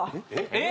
えっ？